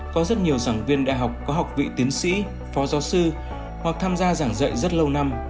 có rất nhiều giảng viên đại học có học vị tiến sĩ phó giáo sư hoặc tham gia giảng dạy rất lâu năm